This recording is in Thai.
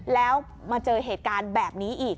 แล้วมาเจอเหตุการณ์แบบนี้อีก